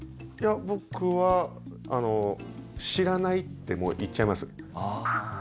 いや僕は知らないってもう言っちゃいます。